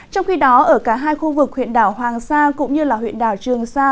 trong khi đó ở cả hai khu vực huyện đảo hoàng sa cũng như huyện đảo trường sa